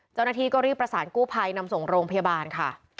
เจ้าหน้าที่ก็รีบประสานกู้ภัยนำส่งโรงพยาบาลค่ะ